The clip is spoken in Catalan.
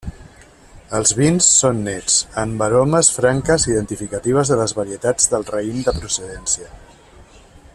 Els vins són nets, amb aromes franques identificatives de les varietats del raïm de procedència.